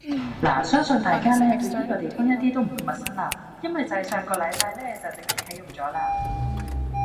拿相信大家呢，對依個地方一啲都唔會陌生啦，因為就係上個禮拜呢就正式啟用咗啦